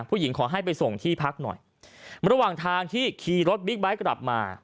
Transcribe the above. ขอให้ไปส่งที่พักหน่อยระหว่างทางที่ขี่รถบิ๊กไบท์กลับมา